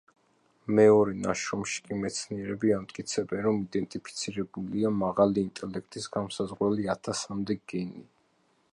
მეორე ნაშრომში კი მეცნიერები ამტკიცებენ, რომ იდენტიფიცირებულია მაღალი ინტელექტის განმსაზღვრელი ათასამდე გენი.